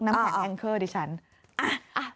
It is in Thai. นำแพงแอนกเกอร์นะอย่างนี้